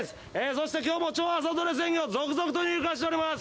そして、きょうも超朝どれ鮮魚、続々と入荷しております。